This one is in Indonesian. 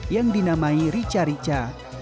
yang dinamai rica rica